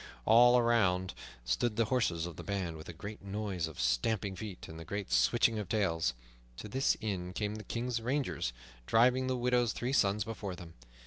All around stood the horses of the band, with a great noise of stamping feet and a great switching of tails. To this inn came the King's rangers, driving the widow's three sons before them.